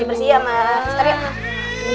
bersih bersih ya mak